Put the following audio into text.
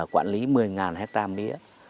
quản lý một mươi hectare mía